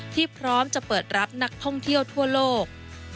พร้อมจะเปิดรับนักท่องเที่ยวทั่วโลก